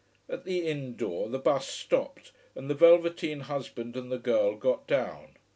At the inn door the bus stopped, and the velveteen husband and the girl got down.